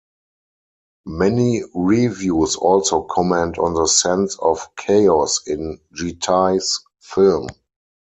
Many reviews also comment on the sense of chaos in Gitai's film.